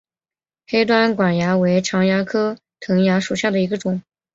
黑端管蚜为常蚜科藤蚜属下的一个种。